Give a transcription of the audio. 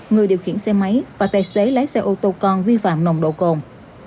người điều khiển xe máy và tài xế lái xe ô tô con vi phạm nồng độ cồn